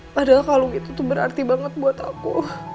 padahal kalung itu tuh berarti banget buat aku